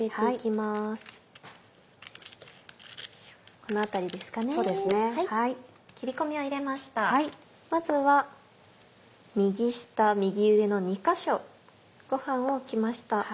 まずは右下右上の２か所ご飯を置きました。